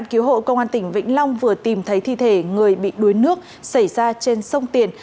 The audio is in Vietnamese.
cứu hộ công an tỉnh vĩnh long vừa tìm thấy thi thể người bị đuối nước xảy ra trên sông tiền